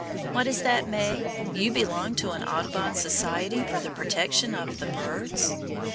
What is that, May? You belong to an Audubon Society for the protection of the birds?